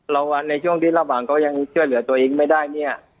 ในช่วงที่ระหว่างเขายังช่วยเหลือตัวเองไม่ได้เนี่ย